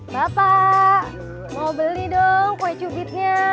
bapak mau beli dong kue cubitnya